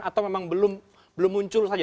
atau memang belum muncul saja